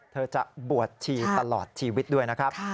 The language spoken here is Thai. เธอจะบวชชีตลอดชีวิตด้วยนะครับ